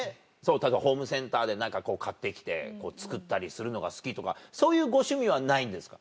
例えばホームセンターで何か買って来て作ったりするのが好きとかそういうご趣味はないんですか？